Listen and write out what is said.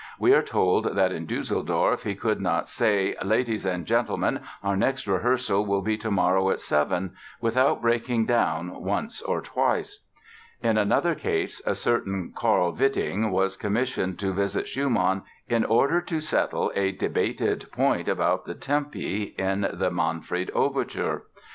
We are told that in Düsseldorf he could not say: "Ladies and gentlemen, our next rehearsal will be tomorrow at seven", without breaking down once or twice. In another case a certain Carl Witting was commissioned to visit Schumann in order to settle a debated point about the tempi in the "Manfred" Overture.